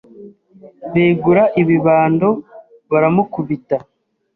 begura ibibando baramukubita